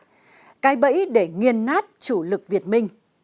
điện biên phủ là pháo đài bẫy để nghiên nát chủ lực việt minh